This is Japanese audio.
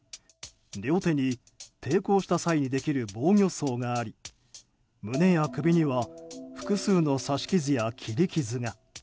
両手に抵抗した際にできる防御創があり胸や首には複数の刺し傷や切り傷が。